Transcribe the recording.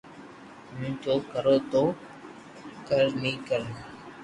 ھون تو ڪرو تو ڪر ني ڪر